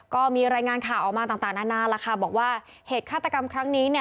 ก็มีรายงานข่าวออกมาต่างนานาล่ะค่ะบอกว่าเหตุฆาตกรรมครั้งนี้เนี่ย